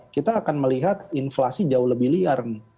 kita akan melihat inflasi jauh lebih liar